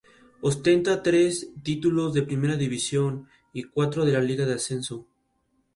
García Navarro fallecería en octubre de ese mismo año.